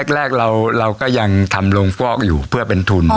แรกเราก็ยังทำโรงฟอกอยู่เพื่อเป็นทุน